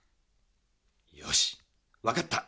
よしわかった。